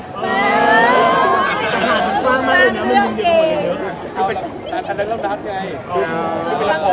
ช่ามหวังจะดูดาร์วนอื่นเลย